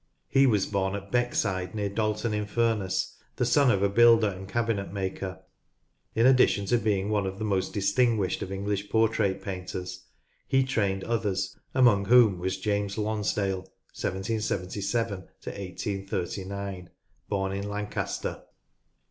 He was born at Beck side near Dalton in Furness, the son of a builder and cabinet maker. In addition to being one of the most distinguished of English portrait painters, he trained others, among whom was James Lonsdale (1 777 1 839), born in Lancaster.